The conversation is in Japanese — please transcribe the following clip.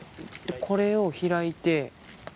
これを開いて。